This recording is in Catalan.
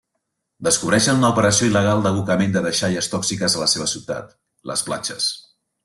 Descobreixen una operació il·legal d'abocament de deixalles tòxiques a la seva ciutat, Les Platges.